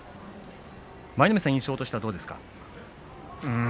舞の海さん、印象はどうですか。